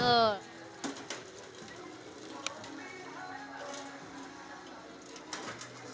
harga yang ditawarkan cukup terjangkau